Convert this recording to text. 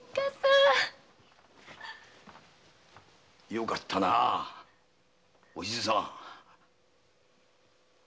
よかったなお静さん。